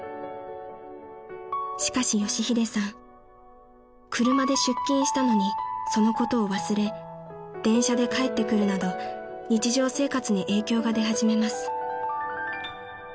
［しかし佳秀さん車で出勤したのにそのことを忘れ電車で帰ってくるなど日常生活に影響が出始めます］